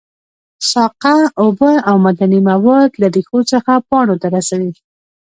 ساقه اوبه او معدني مواد له ریښو څخه پاڼو ته رسوي